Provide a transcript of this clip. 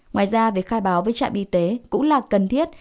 ngoài ra việc khai báo với trạm y tế cũng là cần thiết